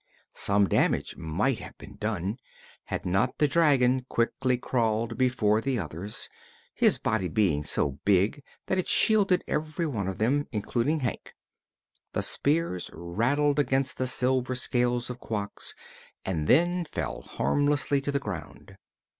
Some damage might have been done had not the dragon quickly crawled before the others, his body being so big that it shielded every one of them, including Hank. The spears rattled against the silver scales of Quox and then fell harmlessly to the ground.